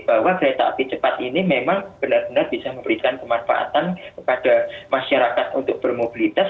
bahwa kereta api cepat ini memang benar benar bisa memberikan kemanfaatan kepada masyarakat untuk bermobilitas